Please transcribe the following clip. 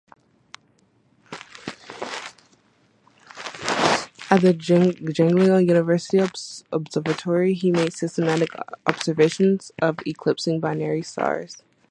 At the Jagiellonian University Observatory he made systematic observations of eclipsing binary stars.